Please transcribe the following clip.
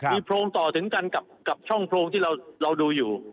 มีโพรงต่อถึงกันกับช่องโพรงที่เราดูอยู่